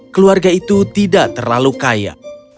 keluarga itu tidak terlalu kaya